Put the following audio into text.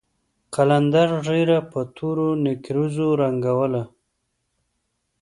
قلندر ږيره په تورو نېکريزو رنګوله.